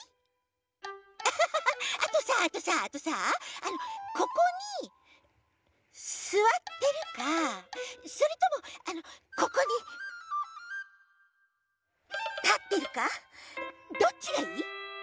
あとさあとさあとさここにすわってるかそれともあのここにたってるかどっちがいい？